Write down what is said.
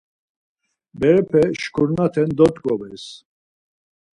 Berepe şkurnaten dot̆ǩobes.